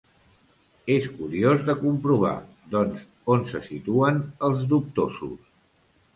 És curiós de comprovar, doncs, on se situen els dubtosos.